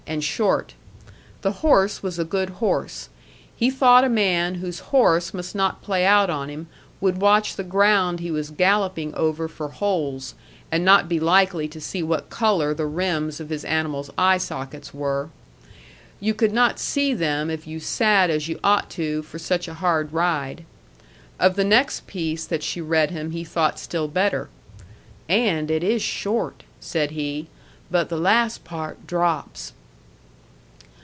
And short. The horse was a good horse. He thought a man whose horse must not play out on him would watch the ground he was galloping over for holes, and not be likely to see what color the rims of his animal's eye sockets were. You could not see them if you sat as you ought to for such a hard ride. Of the next piece that she read him he thought still better. "And it is short," said he. "But the last part drops."